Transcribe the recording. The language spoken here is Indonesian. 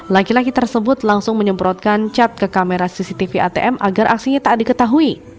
laki laki tersebut langsung menyemprotkan cat ke kamera cctv atm agar aksinya tak diketahui